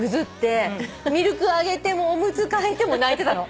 ミルクあげてもおむつ替えても泣いてたの。